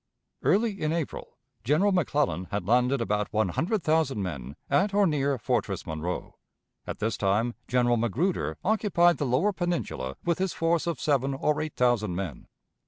Early in April, General McClellan had landed about one hundred thousand men at or near Fortress Monroe. At this time General Magruder occupied the lower Peninsula with his force of seven or eight thousand men.